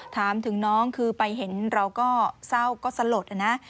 ถามถึงน้องคือไปเห็นเราก็เศร้าก็สลดนะ